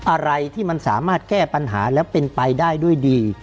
อะไรที่มันสามารถแก้ปัญหาแล้วเป็นไปได้ด้วยดี